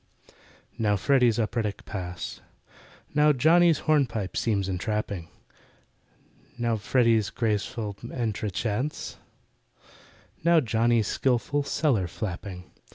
Now FREDDY'S operatic pas— Now JOHNNY'S hornpipe seems entrapping: Now FREDDY'S graceful entrechats— Now JOHNNY'S skilful "cellar flapping."